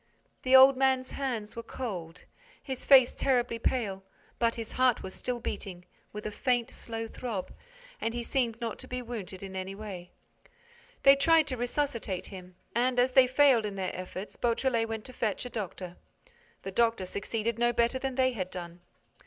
The old man's hands were cold, his face terribly pale, but his heart was still beating, with a faint, slow throb, and he seemed not to be wounded in any way. They tried to resuscitate him and, as they failed in their efforts, Beautrelet went to fetch a doctor. The doctor succeeded no better than they had done.